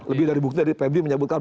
lebih dari bukti dari pb menyebutkan